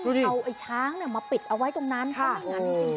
มีเอาไอ้ช้างเนี่ยมาปิดเอาไว้ตรงนั้นค่ะจริง